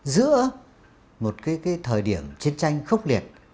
giữa một cái thời điểm chiến tranh khốc liệt